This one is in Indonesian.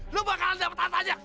lu bakalan dapat tantanya